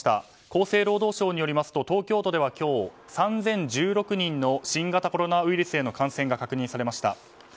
厚生労働省によりますと東京都では今日３０１６人の新型コロナウイルスへの感染が確認されました。